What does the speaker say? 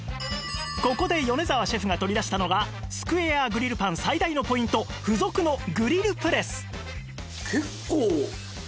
ここで米澤シェフが取り出したのはスクエアグリルパン最大のポイント付属のグリルプレス